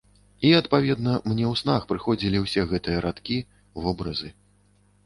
І адпаведна, мне ў снах прыходзілі ўсе гэтыя радкі, вобразы.